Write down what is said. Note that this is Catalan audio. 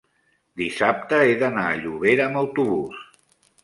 dissabte he d'anar a Llobera amb autobús.